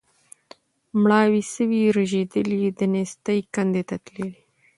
مړاوي سوي رژېدلي د نېستۍ کندي ته تللي